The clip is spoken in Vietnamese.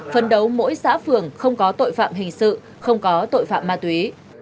phấn đấu mỗi xã phường không có tội phạm hình sự không có tội phạm ma túy